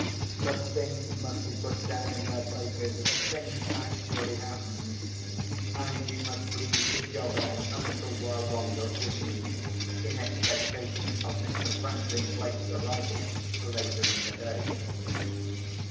But things must be put down in their places, as things actually happened—and you must please to jog on a little while longer with me, in expectation of Mr. Franklin Blake's arrival later in the day.